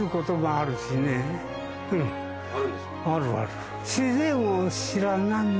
あるある。